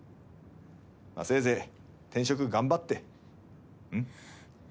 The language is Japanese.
まあせいぜい転職頑張ってうん。